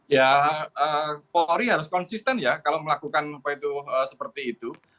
ya polri harus konsisten ya kalau melakukan apa itu seperti itu